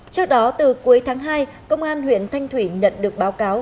trước đó từ cuối tháng hai công an huyện thanh thủy nhận được báo cáo